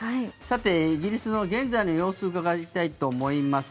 イギリスの現在の様子をうかがいたいと思います。